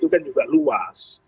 kan juga luas